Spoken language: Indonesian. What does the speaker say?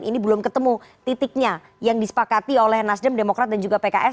ini belum ketemu titiknya yang disepakati oleh nasdem demokrat dan juga pks